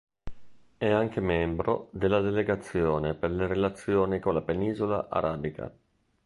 È anche membro della Delegazione per le relazioni con la penisola arabica.